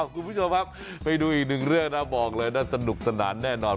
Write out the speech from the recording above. คุณผู้ชมครับไปดูอีกหนึ่งเรื่องนะบอกเลยนะสนุกสนานแน่นอน